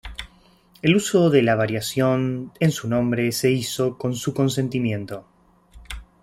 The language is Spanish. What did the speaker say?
El uso de la variación en su nombre se hizo con su consentimiento.